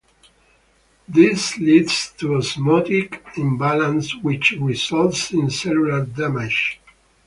This leads to osmotic imbalance, which results in cellular damage.